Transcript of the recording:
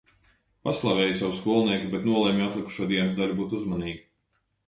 Paslavēju savu skolnieku, bet nolemju atlikušo dienas daļu būt uzmanīga.